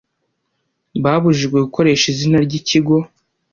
babujijwe gukoresha izina ry’ikigo